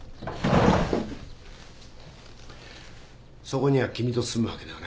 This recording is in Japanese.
そこには君と住むわけではない。